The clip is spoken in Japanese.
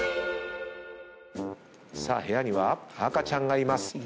部屋には赤ちゃんがいます。